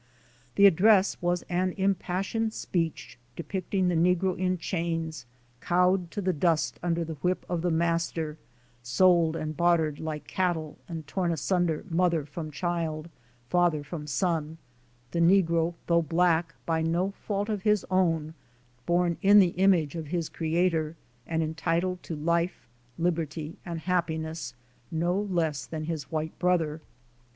The address was an impassioned speech depicting the negro in chains, cowed to the dust under the whip of the master, sold and bartered like cattle and torn asunder mother from child, father from son ŌĆö the negro, though black by no fault of his own, born in the image of his Creator and entitled to life, liberty and happiness no less than his white brother.